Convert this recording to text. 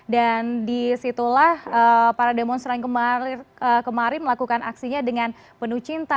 dan disitulah para demonstran kemarin melakukan aksinya dengan penuh cinta